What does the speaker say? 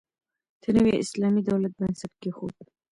د نوي اسلامي دولت بنسټ کېښود.